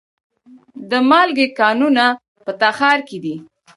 د مالګې کانونه په تخار کې دي